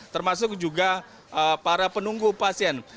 termasuk juga para penunggu pasien